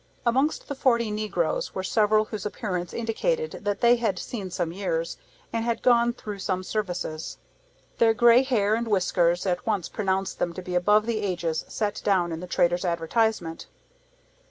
Amongst the forty Negroes were several whose appearance indicated that they had seen some years, and had gone through some services. Their grey hair and whiskers at once pronounced them to be above the ages set down in the trader's advertisement.